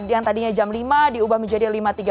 yang tadinya jam lima diubah menjadi lima tiga puluh